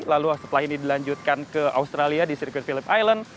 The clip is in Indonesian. lalu setelah ini dilanjutkan ke australia di sirkuit philip island